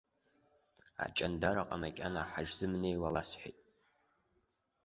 Аҷандараҟа макьана ҳашзымнеиуа ласҳәеит.